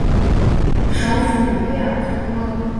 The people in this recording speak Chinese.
首府贝尔图阿。